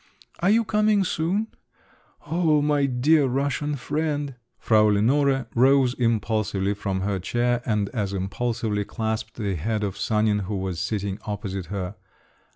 Are you coming soon? Oh, my dear Russian friend!" Frau Lenore rose impulsively from her chair, and as impulsively clasped the head of Sanin, who was sitting opposite her.